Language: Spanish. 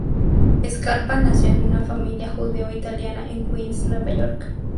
Scarpa nació en una familia judeo-italiana en Queens, Nueva York.